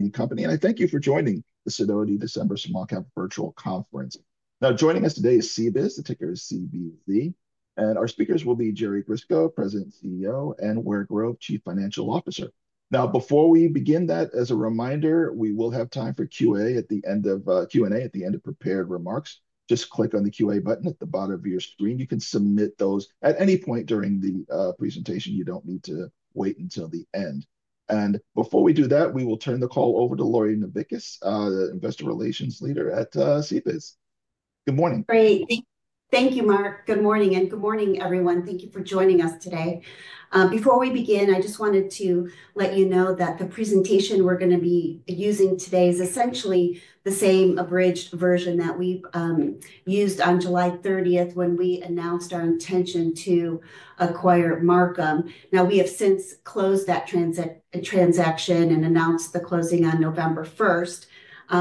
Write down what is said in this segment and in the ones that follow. And company, and I thank you for joining the Sidoti December Small Cap Virtual Conference. Now, joining us today is CBIZ, the ticker is CBZ, and our speakers will be Jerry Grisko, President and CEO, and Ware Grove, Chief Financial Officer. Now, before we begin that, as a reminder, we will have time for Q&A at the end of Q&A, at the end of prepared remarks. Just click on the Q&A button at the bottom of your screen. You can submit those at any point during the presentation. You don't need to wait until the end. And before we do that, we will turn the call over to Lori Novickis, the Investor Relations Leader at CBIZ. Good morning. Great. Thank you, Marc. Good morning, and good morning, everyone. Thank you for joining us today. Before we begin, I just wanted to let you know that the presentation we're going to be using today is essentially the same abridged version that we've used on July 30th when we announced our intention to acquire Marcum. Now, we have since closed that transaction and announced the closing on November 1st,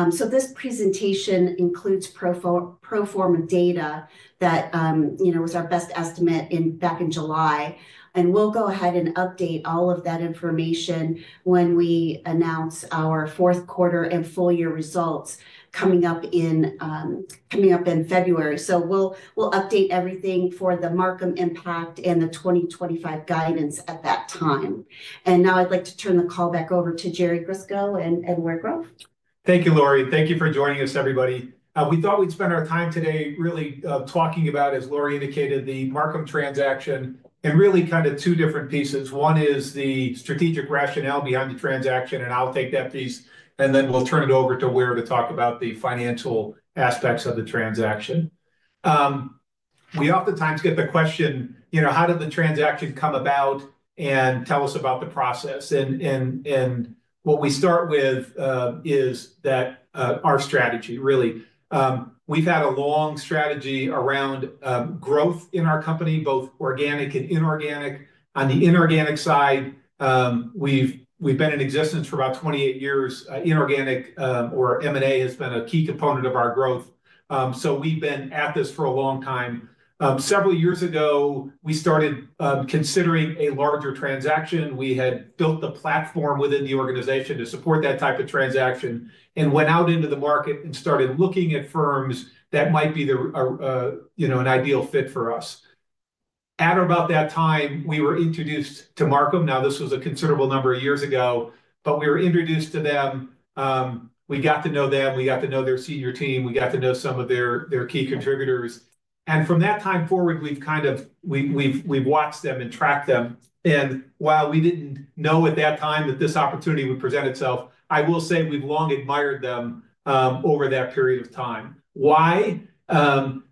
so this presentation includes pro forma data that, you know, was our best estimate back in July, and we'll go ahead and update all of that information when we announce our fourth quarter and full year results coming up in February, so we'll update everything for the Marcum impact and the 2025 guidance at that time, and now I'd like to turn the call back over to Jerry Grisko and Ware Grove. Thank you, Lori. Thank you for joining us, everybody. We thought we'd spend our time today really talking about, as Lori indicated, the Marcum transaction and really kind of two different pieces. One is the strategic rationale behind the transaction, and I'll take that piece, and then we'll turn it over to Ware to talk about the financial aspects of the transaction. We oftentimes get the question, you know, how did the transaction come about, and tell us about the process, and what we start with is that our strategy, really. We've had a long strategy around growth in our company, both organic and inorganic. On the inorganic side, we've been in existence for about 28 years. Inorganic, or M&A, has been a key component of our growth. So we've been at this for a long time. Several years ago, we started considering a larger transaction. We had built the platform within the organization to support that type of transaction and went out into the market and started looking at firms that might be the, you know, an ideal fit for us. At or about that time, we were introduced to Marcum. Now, this was a considerable number of years ago, but we were introduced to them. We got to know them. We got to know their senior team. We got to know some of their key contributors. And from that time forward, we've kind of, we've watched them and tracked them. And while we didn't know at that time that this opportunity would present itself, I will say we've long admired them over that period of time. Why?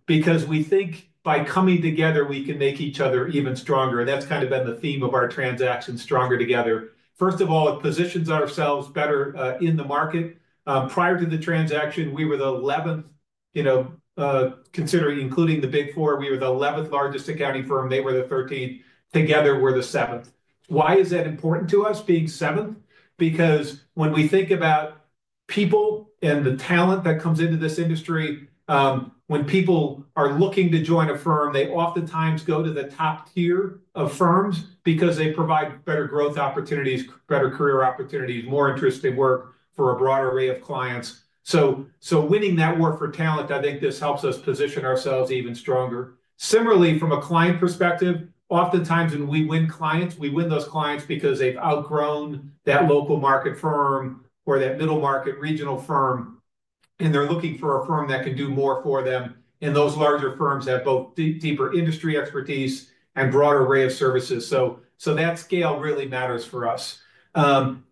Because we think by coming together, we can make each other even stronger. And that's kind of been the theme of our transaction, stronger together. First of all, it positions ourselves better in the market. Prior to the transaction, we were the 11th, you know, considering including the Big Four, we were the 11th largest accounting firm. They were the 13th. Together, we're the 7th. Why is that important to us being 7th? Because when we think about people and the talent that comes into this industry, when people are looking to join a firm, they oftentimes go to the top tier of firms because they provide better growth opportunities, better career opportunities, more interesting work for a broader array of clients. So winning that war for talent, I think this helps us position ourselves even stronger. Similarly, from a client perspective, oftentimes when we win clients, we win those clients because they've outgrown that local market firm or that middle market regional firm, and they're looking for a firm that can do more for them. And those larger firms have both deeper industry expertise and a broader array of services. So that scale really matters for us.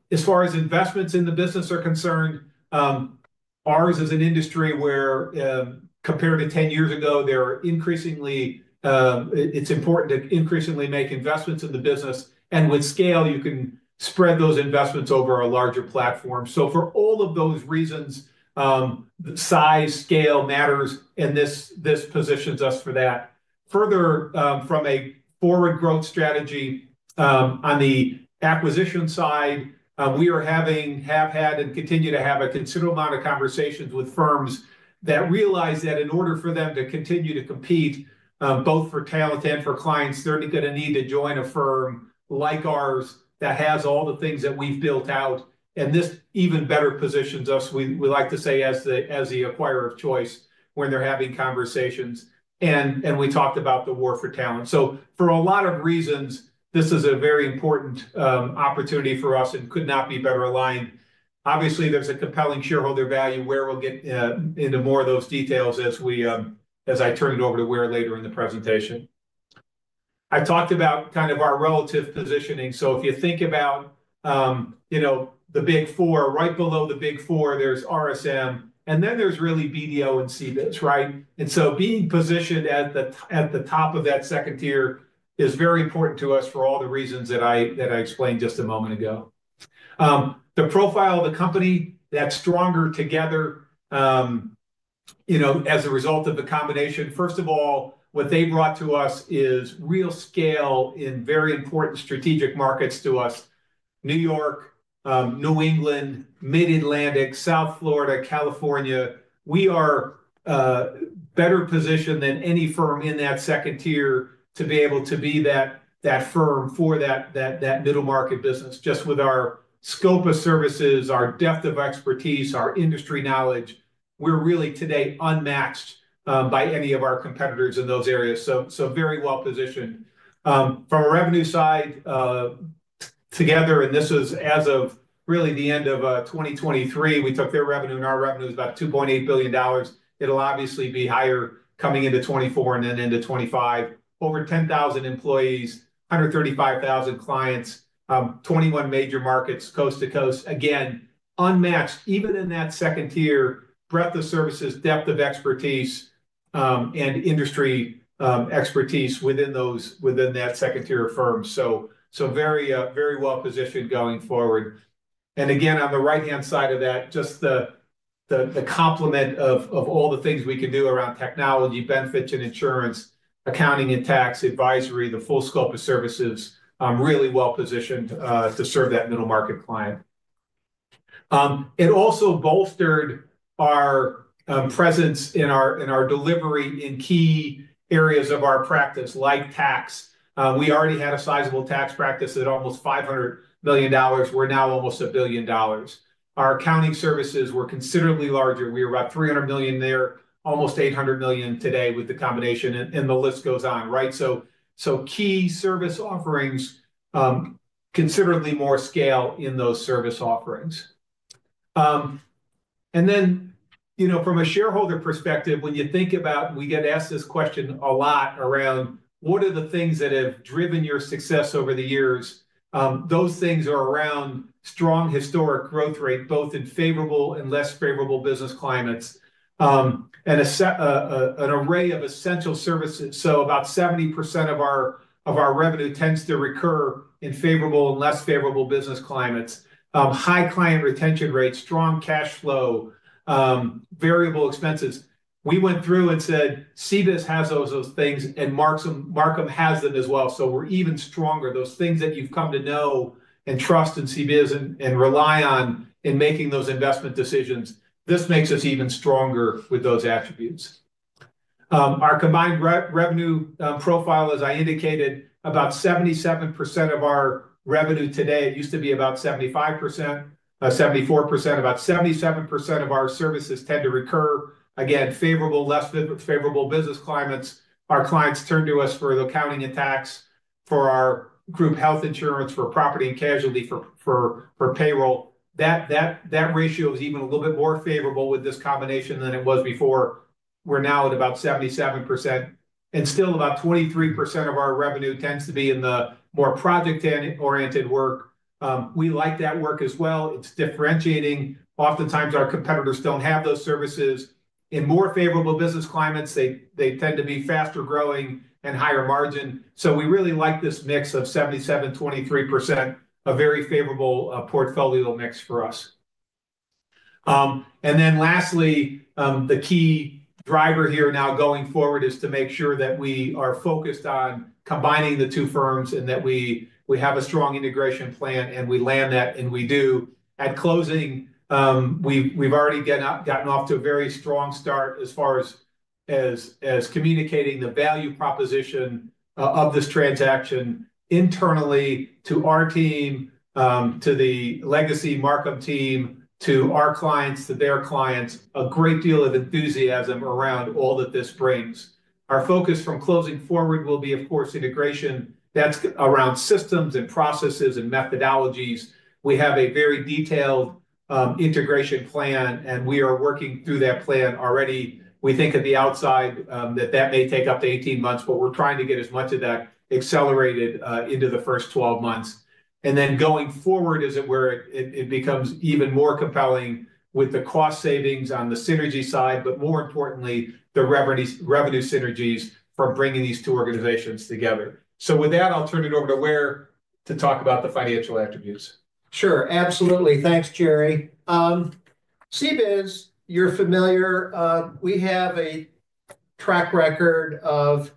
As far as investments in the business are concerned, ours is an industry where, compared to 10 years ago, there are increasingly, it's important to increasingly make investments in the business. And with scale, you can spread those investments over a larger platform. So for all of those reasons, the size, scale matters, and this positions us for that. Further, from a forward growth strategy on the acquisition side, we are having, have had, and continue to have a considerable amount of conversations with firms that realize that in order for them to continue to compete both for talent and for clients, they're going to need to join a firm like ours that has all the things that we've built out. And this even better positions us, we like to say, as the acquirer of choice when they're having conversations. We talked about the war for talent. For a lot of reasons, this is a very important opportunity for us and could not be better aligned. Obviously, there's a compelling shareholder value. Ware will get into more of those details as I turn it over to Ware later in the presentation. I talked about kind of our relative positioning. So if you think about, you know, the Big Four, right below the Big Four, there's RSM, and then there's really BDO and CBIZ, right? And so being positioned at the top of that second tier is very important to us for all the reasons that I explained just a moment ago. The profile of the company that's stronger together, you know, as a result of the combination, first of all, what they brought to us is real scale in very important strategic markets to us: New York, New England, Mid-Atlantic, South Florida, California. We are better positioned than any firm in that second tier to be able to be that firm for that middle market business. Just with our scope of services, our depth of expertise, our industry knowledge, we're really today unmatched by any of our competitors in those areas. So very well positioned. From a revenue side, together, and this is as of really the end of 2023, we took their revenue, and our revenue is about $2.8 billion. It will obviously be higher coming into 2024 and then into 2025. Over 10,000 employees, 135,000 clients, 21 major markets, coast to coast. Again, unmatched, even in that second tier, breadth of services, depth of expertise, and industry expertise within that second tier of firms, so very well positioned going forward. And again, on the right-hand side of that, just the complement of all the things we can do around technology, benefits, and insurance, accounting and tax, advisory, the full scope of services, really well positioned to serve that middle market client. It also bolstered our presence in our delivery in key areas of our practice, like tax. We already had a sizable tax practice at almost $500 million. We are now almost $1 billion. Our accounting services were considerably larger. We were about $300 million there, almost $800 million today with the combination, and the list goes on, right, so key service offerings, considerably more scale in those service offerings, and then, you know, from a shareholder perspective, when you think about, we get asked this question a lot around, what are the things that have driven your success over the years? Those things are around strong historic growth rate, both in favorable and less favorable business climates, and an array of essential services, so about 70% of our revenue tends to recur in favorable and less favorable business climates, high client retention rates, strong cash flow, variable expenses. We went through and said, CBIZ has those things, and Marcum has them as well, so we're even stronger. Those things that you've come to know and trust in CBIZ and rely on in making those investment decisions, this makes us even stronger with those attributes. Our combined revenue profile, as I indicated, about 77% of our revenue today. It used to be about 75%, 74%, about 77% of our services tend to recur. Again, favorable, less favorable business climates. Our clients turn to us for the accounting and tax, for our group health insurance, for property and casualty, for payroll. That ratio is even a little bit more favorable with this combination than it was before. We're now at about 77%, and still, about 23% of our revenue tends to be in the more project-oriented work. We like that work as well. It's differentiating. Oftentimes, our competitors don't have those services. In more favorable business climates, they tend to be faster growing and higher margin. So we really like this mix of 77%, 23%, a very favorable portfolio mix for us. And then lastly, the key driver here now going forward is to make sure that we are focused on combining the two firms and that we have a strong integration plan, and we land that, and we do. At closing, we've already gotten off to a very strong start as far as communicating the value proposition of this transaction internally to our team, to the legacy Marcum team, to our clients, to their clients. A great deal of enthusiasm around all that this brings. Our focus from closing forward will be, of course, integration. That's around systems and processes and methodologies. We have a very detailed integration plan, and we are working through that plan already. We think at the outside that that may take up to 18 months, but we're trying to get as much of that accelerated into the first 12 months. And then going forward is where it becomes even more compelling with the cost savings on the synergy side, but more importantly, the revenue synergies for bringing these two organizations together. So with that, I'll turn it over to Ware to talk about the financial attributes. Sure. Absolutely. Thanks, Jerry. CBIZ, you're familiar. We have a track record of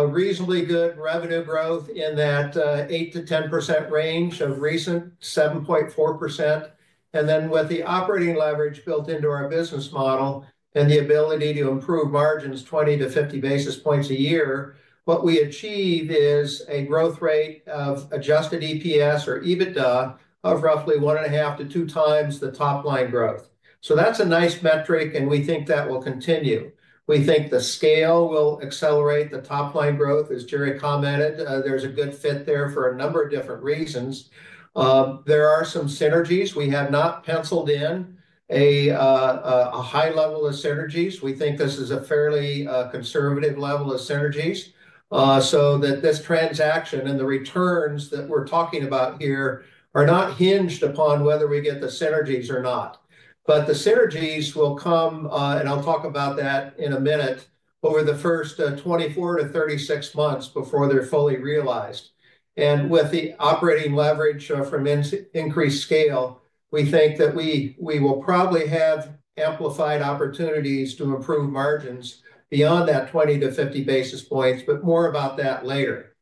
reasonably good revenue growth in that 8%-10% range of recent 7.4%. And then with the operating leverage built into our business model and the ability to improve margins 20-50 basis points a year, what we achieve is a growth rate of adjusted EPS or EBITDA of roughly 1.5x to 2x the top-line growth. That's a nice metric, and we think that will continue. We think the scale will accelerate the top line growth, as Jerry commented. There's a good fit there for a number of different reasons. There are some synergies. We have not penciled in a high level of synergies. We think this is a fairly conservative level of synergies so that this transaction and the returns that we're talking about here are not hinged upon whether we get the synergies or not. The synergies will come, and I'll talk about that in a minute, over the first 24-36 months before they're fully realized. With the operating leverage from increased scale, we think that we will probably have amplified opportunities to improve margins beyond that 20-50 basis points, but more about that later.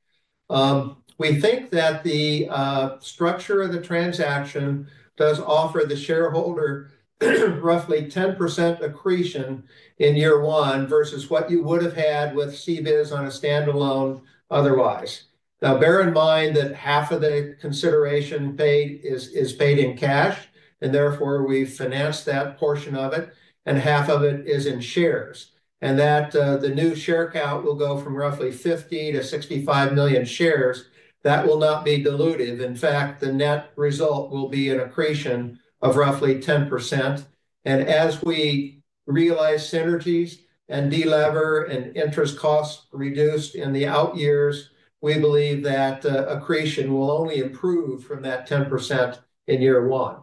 We think that the structure of the transaction does offer the shareholder roughly 10% accretion in year one versus what you would have had with CBIZ on a standalone otherwise. Now, bear in mind that half of the consideration paid is paid in cash, and therefore we finance that portion of it, and half of it is in shares, and that the new share count will go from roughly 50 million-65 million shares. That will not be dilutive. In fact, the net result will be an accretion of roughly 10%. As we realize synergies and delever and interest costs reduced in the out years, we believe that accretion will only improve from that 10% in year one,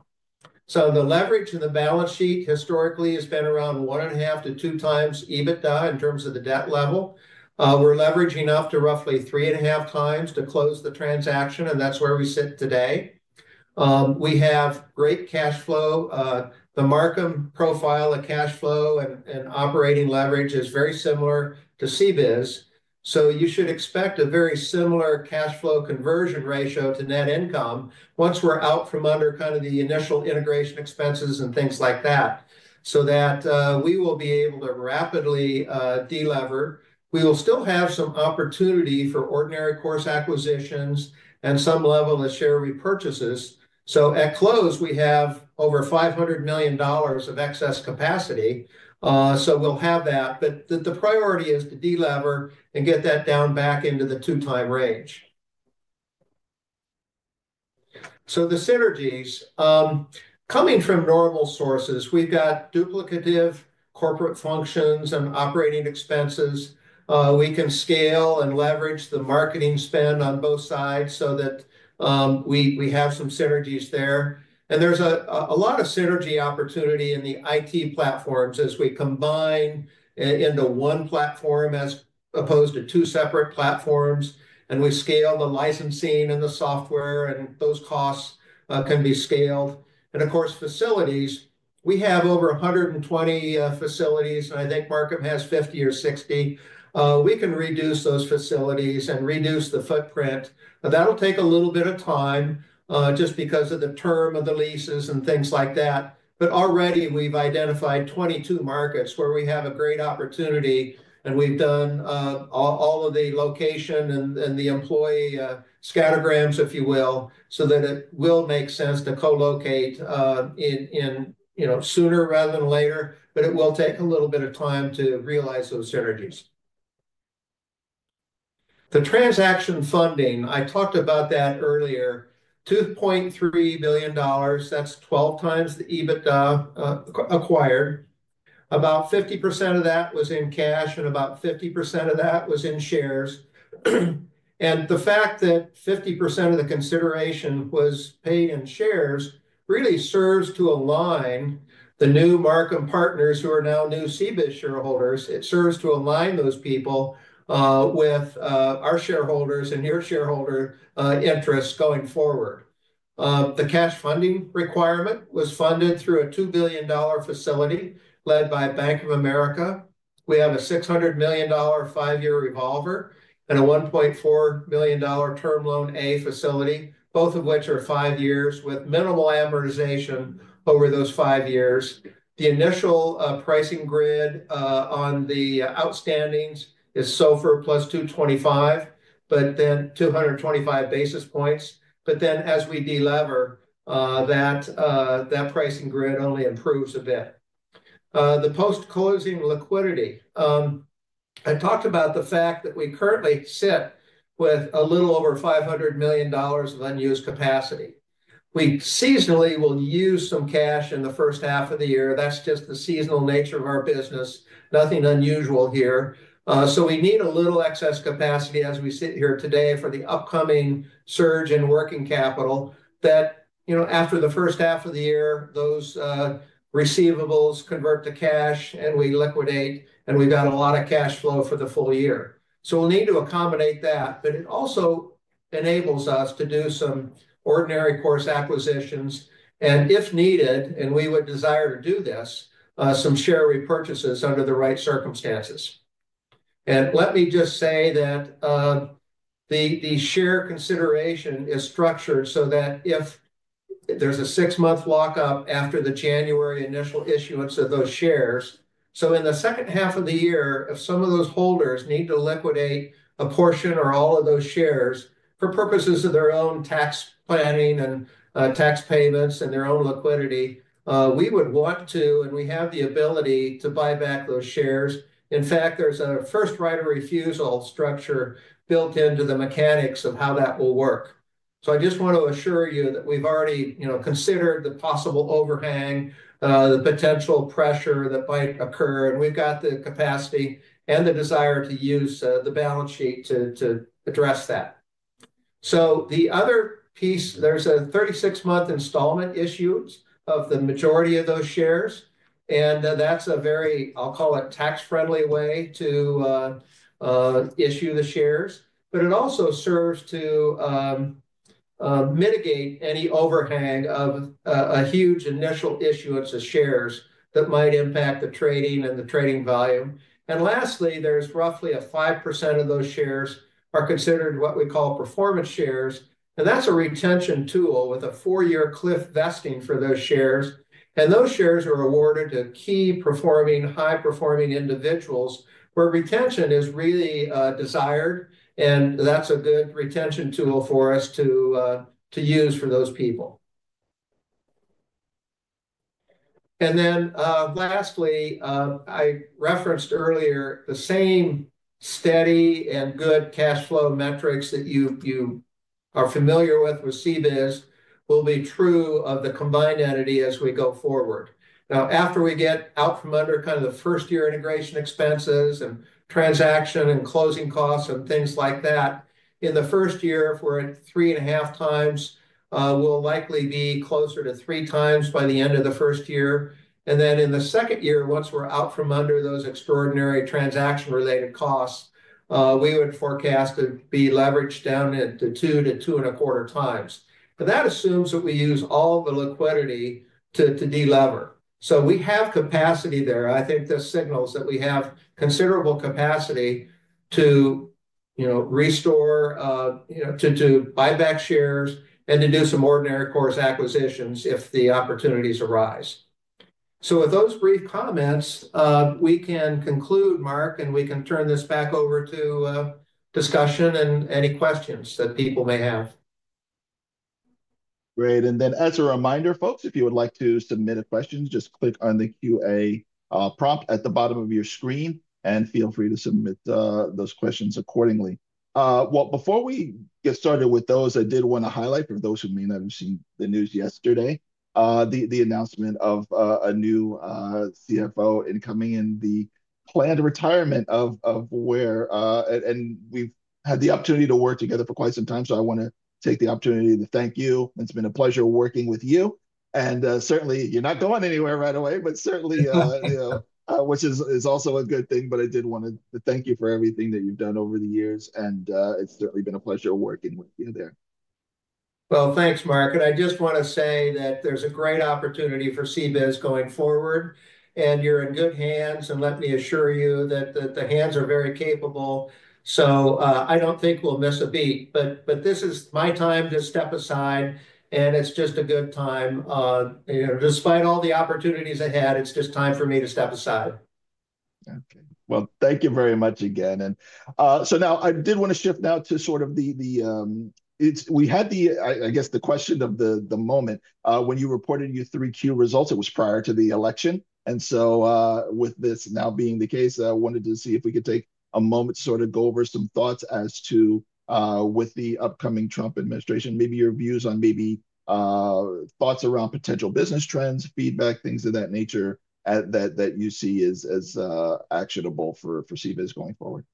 so the leverage in the balance sheet historically has been around 1.5x to 2x EBITDA in terms of the debt level. We're leveraging up to roughly three and a half times to close the transaction, and that's where we sit today. We have great cash flow. The Marcum profile of cash flow and operating leverage is very similar to CBIZ, so you should expect a very similar cash flow conversion ratio to net income once we're out from under kind of the initial integration expenses and things like that, so that we will be able to rapidly delever. We will still have some opportunity for ordinary course acquisitions and some level of share repurchases, so at close, we have over $500 million of excess capacity, so we'll have that. But the priority is to delever and get that down back into the two-time range, so the synergies coming from normal sources, we've got duplicative corporate functions and operating expenses. We can scale and leverage the marketing spend on both sides so that we have some synergies there. And there's a lot of synergy opportunity in the IT platforms as we combine into one platform as opposed to two separate platforms. And we scale the licensing and the software, and those costs can be scaled. And of course, facilities, we have over 120 facilities, and I think Marcum has 50 or 60. We can reduce those facilities and reduce the footprint. That'll take a little bit of time just because of the term of the leases and things like that. But already, we've identified 22 markets where we have a great opportunity, and we've done all of the location and the employee scattergrams, if you will, so that it will make sense to co-locate in sooner rather than later, but it will take a little bit of time to realize those synergies. The transaction funding, I talked about that earlier, $2.3 billion. That's 12x the EBITDA acquired. About 50% of that was in cash, and about 50% of that was in shares. And the fact that 50% of the consideration was paid in shares really serves to align the new Marcum partners who are now new CBIZ shareholders. It serves to align those people with our shareholders and your shareholder interests going forward. The cash funding requirement was funded through a $2 billion facility led by Bank of America. We have a $600 million five-year revolver and a $1.4 billion Term Loan A facility, both of which are five years with minimal amortization over those five years. The initial pricing grid on the outstandings is SOFR plus 225, but then 225 basis points. But then as we delever, that pricing grid only improves a bit. The post-closing liquidity, I talked about the fact that we currently sit with a little over $500 million of unused capacity. We seasonally will use some cash in the first half of the year. That's just the seasonal nature of our business. Nothing unusual here. So we need a little excess capacity as we sit here today for the upcoming surge in working capital that, you know, after the first half of the year, those receivables convert to cash, and we liquidate, and we've got a lot of cash flow for the full year. So we'll need to accommodate that, but it also enables us to do some ordinary course acquisitions and, if needed, and we would desire to do this, some share repurchases under the right circumstances. And let me just say that the share consideration is structured so that if there's a six-month lock-up after the January initial issuance of those shares, so in the second half of the year, if some of those holders need to liquidate a portion or all of those shares for purposes of their own tax planning and tax payments and their own liquidity, we would want to, and we have the ability to buy back those shares. In fact, there's a first right of refusal structure built into the mechanics of how that will work. So I just want to assure you that we've already, you know, considered the possible overhang, the potential pressure that might occur, and we've got the capacity and the desire to use the balance sheet to address that. So the other piece, there's a 36-month installment issuance of the majority of those shares, and that's a very, I'll call it tax-friendly way to issue the shares, but it also serves to mitigate any overhang of a huge initial issuance of shares that might impact the trading and the trading volume. And lastly, there's roughly a 5% of those shares are considered what we call Performance Shares, and that's a retention tool with a four-year cliff vesting for those shares. And those shares are awarded to key performing, high-performing individuals where retention is really desired, and that's a good retention tool for us to use for those people. And then lastly, I referenced earlier the same steady and good cash flow metrics that you are familiar with CBIZ will be true of the combined entity as we go forward. Now, after we get out from under kind of the first-year integration expenses and transaction and closing costs and things like that, in the first year, if we're at three and a half times, we'll likely be closer to three times by the end of the first year. And then in the second year, once we're out from under those extraordinary transaction-related costs, we would forecast to be leveraged down into two to two and a quarter times. But that assumes that we use all the liquidity to delever. So we have capacity there. I think this signals that we have considerable capacity to, you know, restore, you know, to buy back shares and to do some ordinary course acquisitions if the opportunities arise. So with those brief comments, we can conclude, Marc, and we can turn this back over to discussion and any questions that people may have. Great. And then as a reminder, folks, if you would like to submit a question, just click on the Q&A prompt at the bottom of your screen and feel free to submit those questions accordingly. Well, before we get started with those, I did want to highlight for those who may not have seen the news yesterday the announcement of a new CFO incoming and the planned retirement of Ware, and we've had the opportunity to work together for quite some time. So I want to take the opportunity to thank you. It's been a pleasure working with you. And certainly, you're not going anywhere right away, but certainly, you know, which is also a good thing, but I did want to thank you for everything that you've done over the years, and it's certainly been a pleasure working with you there. Thanks, Marc. I just want to say that there's a great opportunity for CBIZ going forward, and you're in good hands, and let me assure you that the hands are very capable. I don't think we'll miss a beat, but this is my time to step aside, and it's just a good time. You know, despite all the opportunities I had, it's just time for me to step aside. Okay. Well, thank you very much again. And so now I did want to shift now to sort of the, we had the, I guess the question of the moment when you reported your three-year results. It was prior to the election. And so with this now being the case, I wanted to see if we could take a moment to sort of go over some thoughts as to with the upcoming Trump administration, maybe your views on maybe thoughts around potential business trends, feedback, things of that nature that you see as actionable for CBIZ going forward.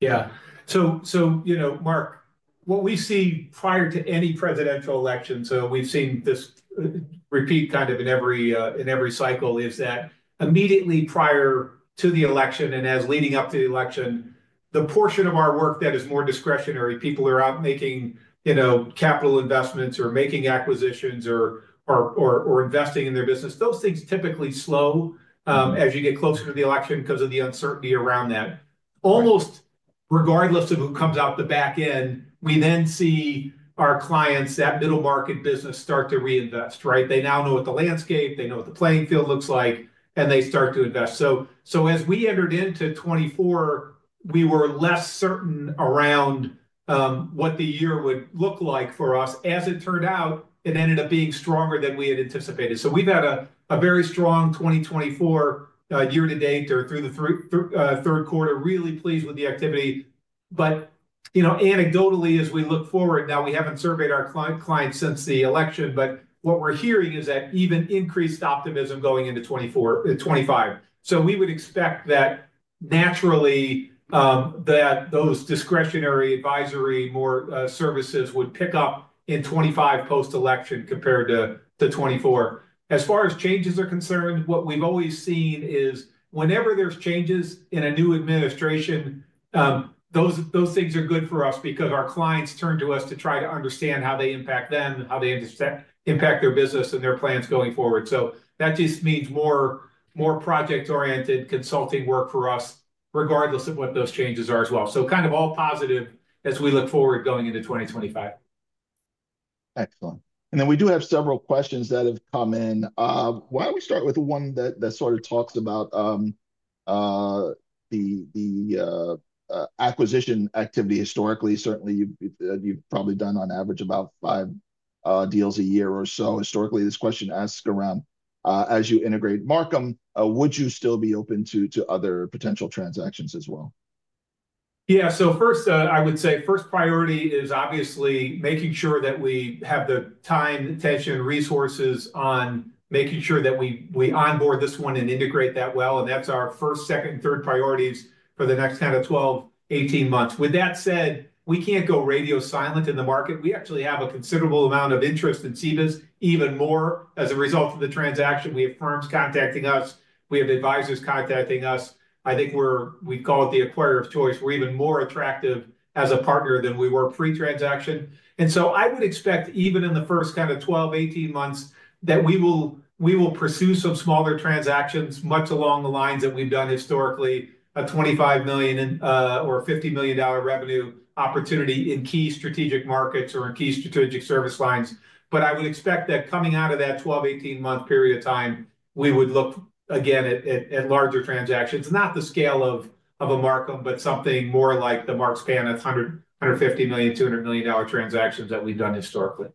Yeah. So, you know, Marc, what we see prior to any presidential election, so we've seen this repeat kind of in every cycle, is that immediately prior to the election and as leading up to the election, the portion of our work that is more discretionary, people are out making, you know, capital investments or making acquisitions or investing in their business, those things typically slow as you get closer to the election because of the uncertainty around that. Almost regardless of who comes out the back end, we then see our clients, that middle market business start to reinvest, right? They now know what the landscape, they know what the playing field looks like, and they start to invest. So as we entered into 2024, we were less certain around what the year would look like for us. As it turned out, it ended up being stronger than we had anticipated. So we've had a very strong 2024 year-to-date or through the third quarter, really pleased with the activity. But, you know, anecdotally, as we look forward now, we haven't surveyed our clients since the election, but what we're hearing is that even increased optimism going into 2024, 2025. So we would expect that naturally that those discretionary advisory more services would pick up in 2025 post-election compared to 2024. As far as changes are concerned, what we've always seen is whenever there's changes in a new administration, those things are good for us because our clients turn to us to try to understand how they impact them, how they impact their business and their plans going forward. So that just means more project-oriented consulting work for us regardless of what those changes are as well. Kind of all positive as we look forward going into 2025. Excellent. And then we do have several questions that have come in. Why don't we start with one that sort of talks about the acquisition activity historically? Certainly, you've probably done on average about five deals a year or so historically. This question asks around, as you integrate Marcum, would you still be open to other potential transactions as well? Yeah. So first, I would say first priority is obviously making sure that we have the time, attention, and resources on making sure that we onboard this one and integrate that well. And that's our first, second, and third priorities for the next 10 to 12, 18 months. With that said, we can't go radio silent in the market. We actually have a considerable amount of interest in CBIZ, even more as a result of the transaction. We have firms contacting us. We have advisors contacting us. I think we're, we call it the acquirer of choice. We're even more attractive as a partner than we were pre-transaction. And so I would expect even in the first kind of 12-18 months that we will pursue some smaller transactions much along the lines that we've done historically, a $25 million or $50 million revenue opportunity in key strategic markets or in key strategic service lines. But I would expect that coming out of that 12-18-month period of time, we would look again at larger transactions, not the scale of a Marcum, but something more like the Marks Paneth of $150 million-$200 million transactions that we've done historically.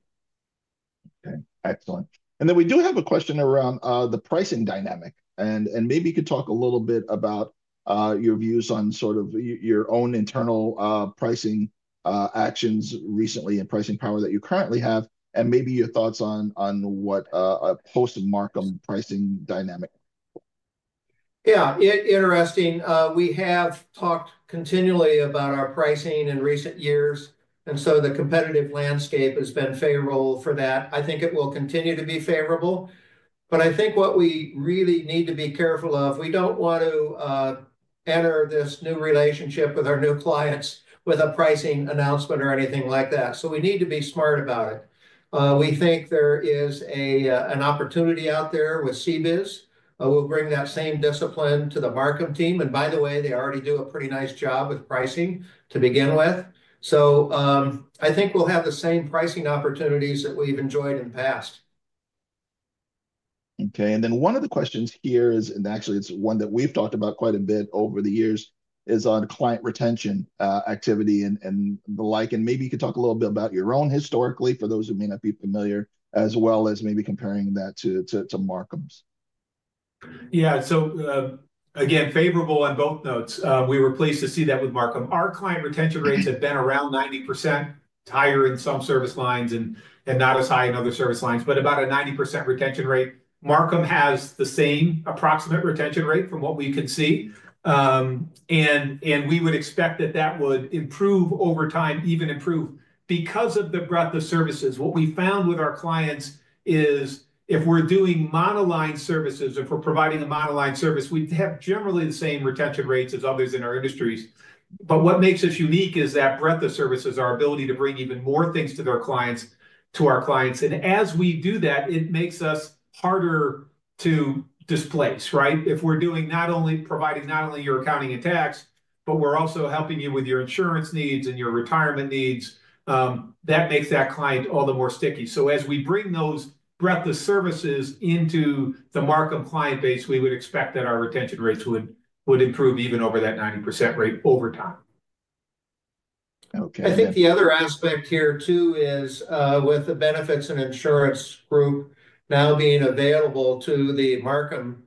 Okay. Excellent. And then we do have a question around the pricing dynamic, and maybe you could talk a little bit about your views on sort of your own internal pricing actions recently and pricing power that you currently have, and maybe your thoughts on what a post-Marcum pricing dynamic looks like. Yeah. Interesting. We have talked continually about our pricing in recent years, and so the competitive landscape has been favorable for that. I think it will continue to be favorable, but I think what we really need to be careful of, we don't want to enter this new relationship with our new clients with a pricing announcement or anything like that. So we need to be smart about it. We think there is an opportunity out there with CBIZ. We'll bring that same discipline to the Marcum team. And by the way, they already do a pretty nice job with pricing to begin with. So I think we'll have the same pricing opportunities that we've enjoyed in the past. Okay, and then one of the questions here is, and actually it's one that we've talked about quite a bit over the years, is on client retention activity and the like, and maybe you could talk a little bit about your own historically for those who may not be familiar, as well as maybe comparing that to Marcum's. Yeah. So again, favorable on both notes. We were pleased to see that with Marcum. Our client retention rates have been around 90%, higher in some service lines and not as high in other service lines, but about a 90% retention rate. Marcum has the same approximate retention rate from what we can see. And we would expect that that would improve over time, even improve because of the breadth of services. What we found with our clients is if we're doing monoline services, if we're providing a monoline service, we have generally the same retention rates as others in our industries. But what makes us unique is that breadth of services, our ability to bring even more things to our clients. And as we do that, it makes us harder to displace, right? If we're not only providing your accounting and tax, but we're also helping you with your insurance needs and your retirement needs, that makes that client all the more sticky. So as we bring those breadth of services into the Marcum client base, we would expect that our retention rates would improve even over that 90% rate over time. Okay. I think the other aspect here too is with the benefits and insurance group now being available to the Marcum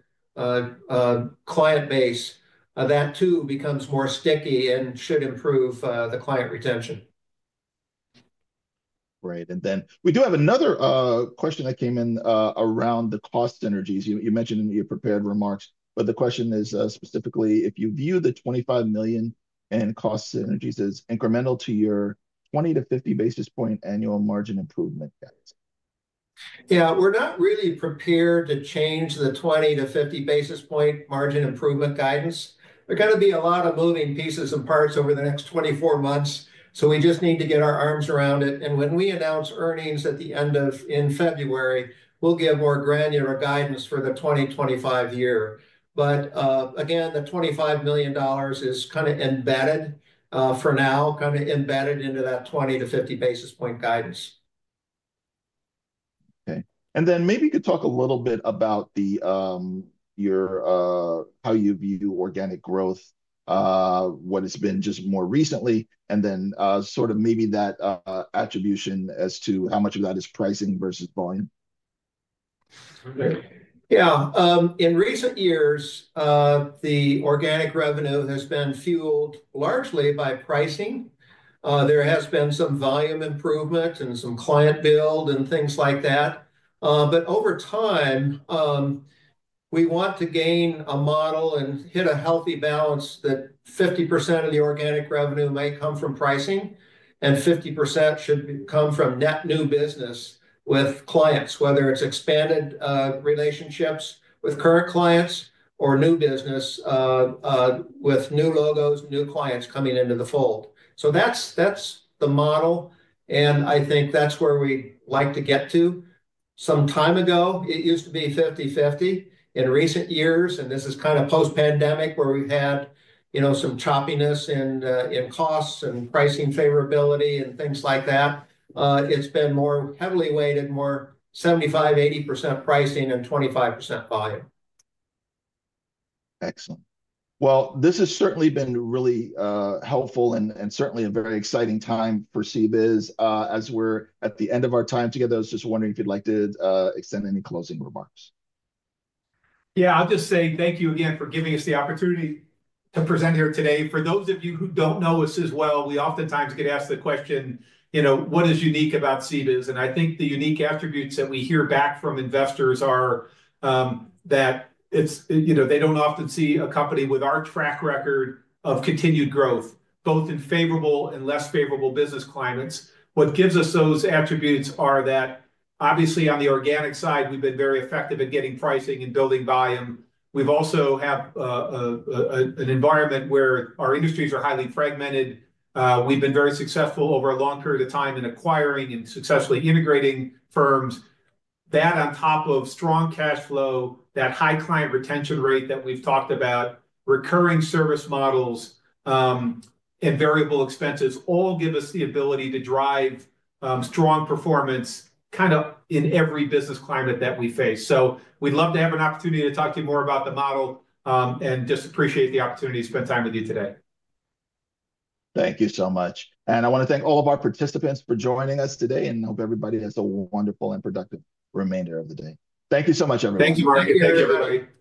client base, that too becomes more sticky and should improve the client retention. Great. And then we do have another question that came in around the cost synergies. You mentioned in your prepared remarks, but the question is specifically if you view the $25 million in cost synergies as incremental to your 20-50 basis points annual margin improvement. Yeah. We're not really prepared to change the 20-50 basis points margin improvement guidance. There are going to be a lot of moving pieces and parts over the next 24 months. So we just need to get our arms around it. When we announce earnings at the end of February, we'll give more granular guidance for the 2025 year. Again, the $25 million is kind of embedded for now, kind of embedded into that 20-50 basis points guidance. Okay. And then maybe you could talk a little bit about your, how you view organic growth, what has been just more recently, and then sort of maybe that attribution as to how much of that is pricing versus volume? Yeah. In recent years, the organic revenue has been fueled largely by pricing. There has been some volume improvement and some client build and things like that. But over time, we want to gain a model and hit a healthy balance that 50% of the organic revenue may come from pricing and 50% should come from net new business with clients, whether it's expanded relationships with current clients or new business with new logos, new clients coming into the fold. So that's the model. And I think that's where we like to get to. Some time ago, it used to be 50/50. In recent years, and this is kind of post-pandemic where we've had, you know, some choppiness in costs and pricing favorability and things like that, it's been more heavily weighted, more 75%-80% pricing and 25% volume. Excellent. Well, this has certainly been really helpful and certainly a very exciting time for CBIZ as we're at the end of our time together. I was just wondering if you'd like to extend any closing remarks. Yeah. I'll just say thank you again for giving us the opportunity to present here today. For those of you who don't know us as well, we oftentimes get asked the question, you know, what is unique about CBIZ? And I think the unique attributes that we hear back from investors are that it's, you know, they don't often see a company with our track record of continued growth, both in favorable and less favorable business climates. What gives us those attributes are that obviously on the organic side, we've been very effective at getting pricing and building volume. We also have an environment where our industries are highly fragmented. We've been very successful over a long period of time in acquiring and successfully integrating firms. That on top of strong cash flow, that high client retention rate that we've talked about, recurring service models and variable expenses all give us the ability to drive strong performance kind of in every business climate that we face. So we'd love to have an opportunity to talk to you more about the model and just appreciate the opportunity to spend time with you today. Thank you so much, and I want to thank all of our participants for joining us today and hope everybody has a wonderful and productive remainder of the day. Thank you so much, everyone. Thank you, Marc. Thank you, everybody.